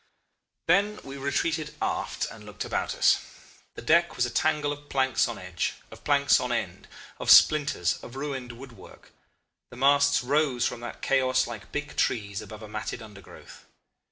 "Then we retreated aft and looked about us. The deck was a tangle of planks on edge, of planks on end, of splinters, of ruined woodwork. The masts rose from that chaos like big trees above a matted undergrowth.